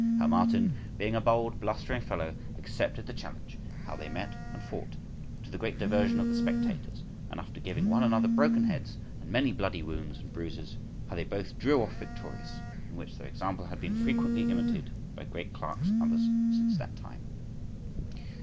How Martin, being a bold, blustering fellow, accepted the challenge; how they met and fought, to the great diversion of the spectators; and, after giving one another broken heads and many bloody wounds and bruises, how they both drew off victorious, in which their example has been frequently imitated by great clerks and others since that time.